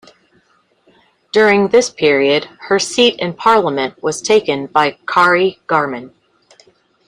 During this period her seat in parliament was taken by Kari Garmann.